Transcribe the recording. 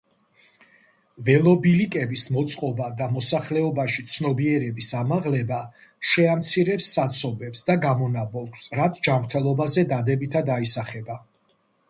ველობილიკების მოწყობა და მოსახლეობაში ცნობიერების ამაღლება შეამცირებს საცობებს და გამონაბოლქვს, რაც ჯანმრთელობაზე დადებითად აისახება.